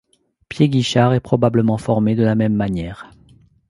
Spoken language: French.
Piedguichard est probablement formé de la même manière.